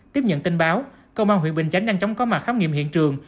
tiếp nhận tin báo công an huyện bình chánh đang chống có mặt khám nghiệm hiện trường